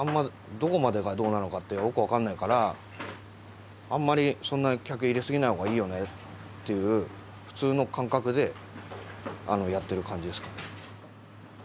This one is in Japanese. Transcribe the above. どこまでがどうなのかってよく分かんないからあんまりそんな客入れすぎない方がいいよねっていう普通の感覚でやってる感じですかね